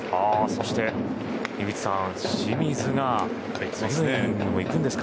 そして井口さん、清水が。